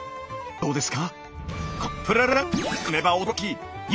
どうですか？